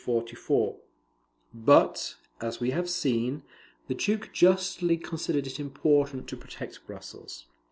44.] But, as we have seen, the Duke justly considered it important to protect Brussels.